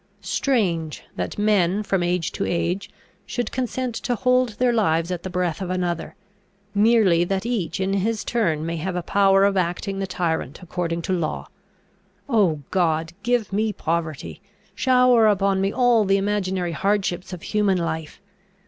Strange, that men, from age to age, should consent to hold their lives at the breath of another, merely that each in his turn may have a power of acting the tyrant according to law! Oh, God! give me poverty! shower upon me all the imaginary hardships of human life!